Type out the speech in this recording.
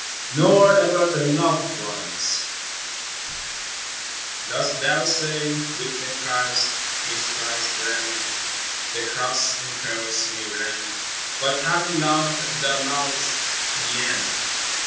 Nor ever the "Loved Once" Dost Thou say, Victim Christ, misprized friend. The cross and curse may rend; But, having loved, Thou lovest to the end